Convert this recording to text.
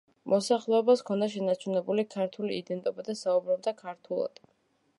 მოსახლეობას ჰქონდა შენარჩუნებული ქართული იდენტობა და საუბრობდა ქართულად.